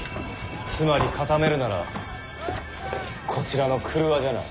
つまり固めるならこちらの曲輪じゃな。